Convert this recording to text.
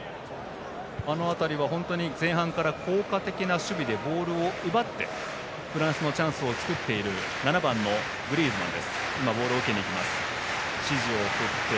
あの辺りは、本当に前半から効果的な守備でボールを奪ってフランスのチャンスを作っている７番のグリーズマン。